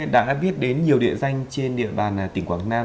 đã biết đến nhiều địa danh trên địa bàn tỉnh quảng nam